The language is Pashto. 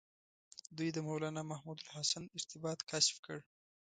دوی د مولنا محمود الحسن ارتباط کشف کړ.